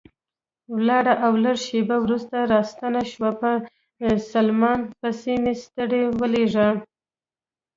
ولاړه او لږ شېبه وروسته راستنه شوه، په سلمان پسې مې سړی ولېږه.